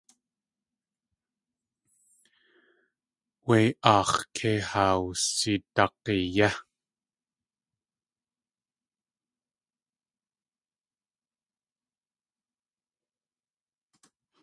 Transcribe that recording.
Wé aax̲ kei haa wsidak̲i yé.